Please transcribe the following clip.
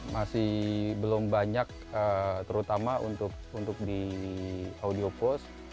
masih belum banyak terutama untuk di audio post